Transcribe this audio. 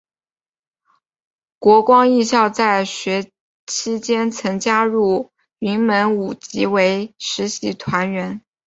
国光艺校在学期间曾加入云门舞集为实习团员。